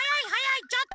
ちょっと！